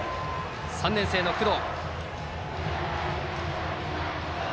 ３年生の工藤。